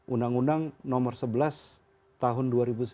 undang undang nomor sebelas tahun dua ribu sembilan belas